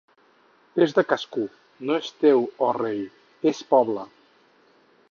És de cascú, no és teu, oh rei, és poble.